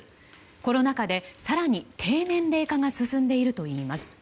コロナ禍で更に低年齢化が進んでいるといいます。